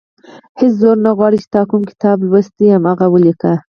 هېڅ زور نه غواړي تا کوم کتاب لوستی، هماغه ولیکه.